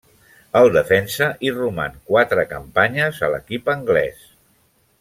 El defensa hi roman quatre campanyes a l'equip anglès.